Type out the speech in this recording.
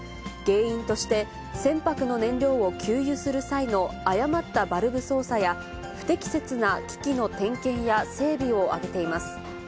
原因として、船舶の燃料を給油する際の誤ったバルブ操作や、不適切な機器の点検や整備を挙げています。